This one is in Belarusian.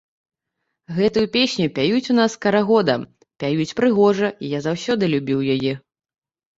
Гэтую песню пяюць у нас карагодам, пяюць прыгожа, і я заўсёды любіў яе.